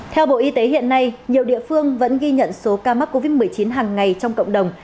theo bộ y tế hiện nay nhiều địa phương vẫn ghi nhận số ca mắc covid một mươi chín hàng ngày trong cộng đồng